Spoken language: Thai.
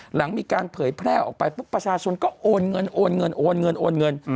หลังมีการเผยแพร่ออกไปปุ๊กประชาชนก็โอนเงินโอนเงิน